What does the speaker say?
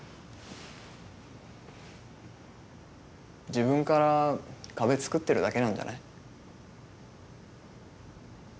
自分から壁つくってるだけなんじゃない？